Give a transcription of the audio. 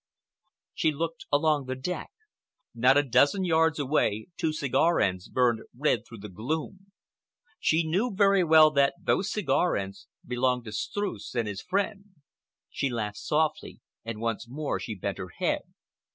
She looked along the deck. Not a dozen yards away, two cigar ends burned red through the gloom. She knew very well that those cigar ends belonged to Streuss and his friend. She laughed softly and once more she bent her head.